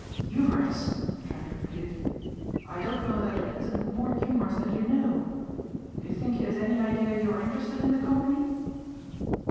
"Humorous!" Trent repeated, "I don't know that it isn't more humorous than you know. Do you think he has any idea you are interested in the company?"